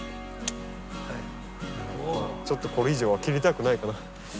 ちょっとこれ以上は切りたくないかな。